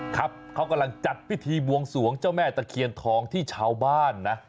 ครับเขากำลังจัดพิธีบวงสวงเจ้าแม่ตะเคียนทองที่ชาวบ้านนะ